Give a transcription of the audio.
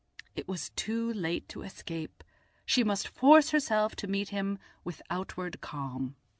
It was too late to escape; she must force herself to meet him with outward calm.